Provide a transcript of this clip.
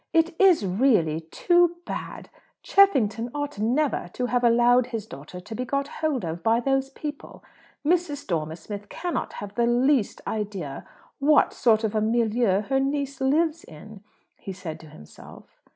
"It is really too bad! Cheffington ought never to have allowed his daughter to be got hold of by those people. Mrs. Dormer Smith cannot have the least idea what sort of a milieu her niece lives in!" he said to himself.